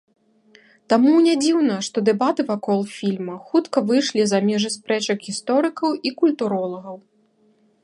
Таму нядзіўна, што дэбаты вакол фільма хутка выйшлі за межы спрэчак гісторыкаў і культуролагаў.